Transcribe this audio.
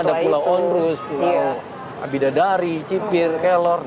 ada pulau ombrus pulau abidadari cipir kelor